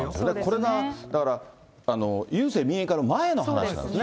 これが、だから郵政民営化の前の話なんですよね。